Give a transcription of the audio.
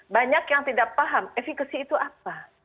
banyak yang tidak paham efekasi itu apa